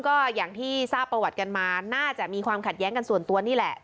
ก็อย่างที่ทราบประวัติกันมาน่าจะมีความขัดแย้งกันส่วนตัวนี่แหละ